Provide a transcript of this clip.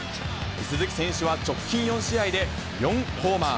鈴木選手は直近４試合で４ホーマー。